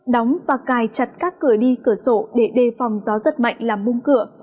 đóng và cài chặt các cửa đi cửa sổ để đề phòng gió rất mạnh làm bung cửa